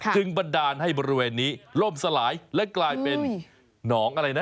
บันดาลให้บริเวณนี้ล่มสลายและกลายเป็นหนองอะไรนะ